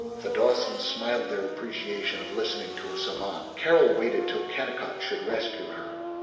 The Dawsons smiled their appreciation of listening to a savant. Carol waited till Kennicott should rescue her.